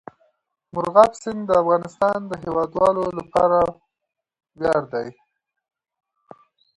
مورغاب سیند د افغانستان د هیوادوالو لپاره ویاړ دی.